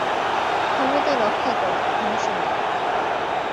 ক্ষমতা রক্ষা করে, ধ্বংস নয়।